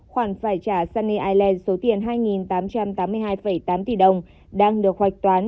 khoản phải trả sunny ireland số tiền hai tám trăm tám mươi hai tám tỷ đồng đang được hoạch toán